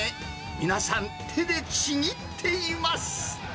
皆さん、手でちぎっています。